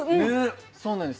そうなんです。